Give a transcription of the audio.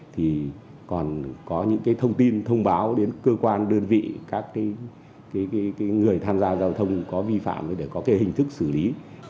thì còn có những cái thông tin thông báo đến cơ quan đơn vị các người tham gia giao thông có vi phạm để có cái hình thức xử lý